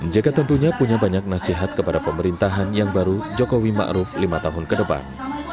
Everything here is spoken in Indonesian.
jk tentunya punya banyak nasihat kepada pemerintahan yang baru jokowi ⁇ maruf ⁇ lima tahun ke depan